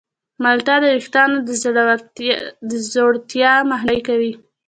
مالټه د ویښتانو د ځوړتیا مخنیوی کوي.